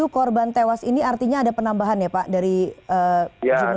dua puluh tujuh korban tewas ini artinya ada penambahan ya pak dari jumlah sebelumnya